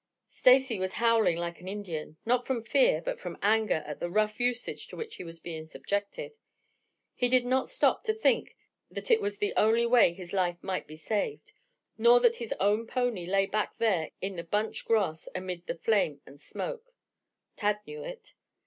Stacy was howling like an Indian, not from fear, but from anger at the rough usage to which he was being subjected. He did not stop to think that it was the only way his life might be saved nor that his own pony lay back there in the bunch grass amid the flame and smoke. Tad knew it.